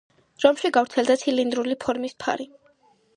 რომში გავრცელდა ცილინდრული ფორმის ფარი.